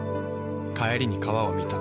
帰りに川を見た。